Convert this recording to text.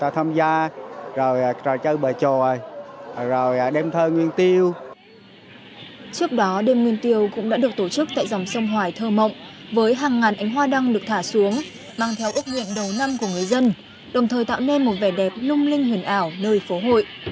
trước đó đêm nguyên tiêu cũng đã được tổ chức tại dòng sông hoài thơ mộng với hàng ngàn ánh hoa đăng được thả xuống mang theo ước nguyện đầu năm của người dân đồng thời tạo nên một vẻ đẹp lung linh huyền ảo nơi phố hội